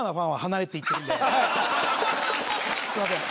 すいません。